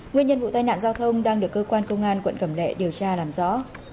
nguyên nhân vụ tai nạn giao thông đang được cơ quan công an quận cẩm lệ điều tra làm rõ